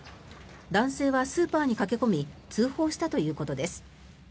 男性はスーパーに駆け込み通報したということです。